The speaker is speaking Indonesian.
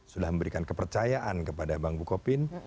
sudah memberikan kepercayaan kepada bank bukopin